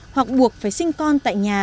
hoặc buộc phải sinh con tại nhà